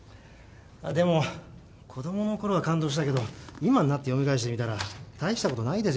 でも子供のころは感動したけど今になって読み返してみたら大したことないですよね。